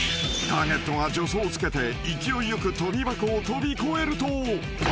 ［ターゲットが助走をつけて勢いよく跳び箱を跳び越えると］